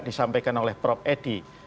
disampaikan oleh prof edi